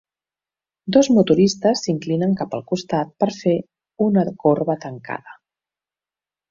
Dos motoristes s'inclinen cap al costat per fer una corba tancada.